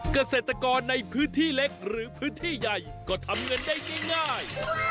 เกษตรกรในพื้นที่เล็กหรือพื้นที่ใหญ่ก็ทำเงินได้ง่าย